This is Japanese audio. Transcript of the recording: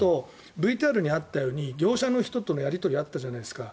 あとＶＴＲにあったように業者の人とのやり取りがあったじゃないですか。